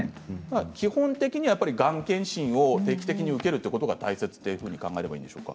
基本的にはがん検診を定期的に受けるということが大切と考えるといいでしょうか。